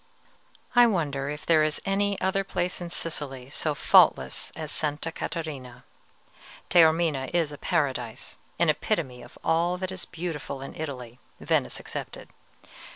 I wonder if there is any other place in Sicily so faultless as Sta. Catarina? Taormina is a paradise, an epitome of all that is beautiful in Italy, Venice excepted.